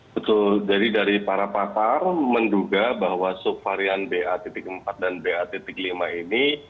betul jadi dari para pakar menduga bahwa subvarian ba empat dan ba lima ini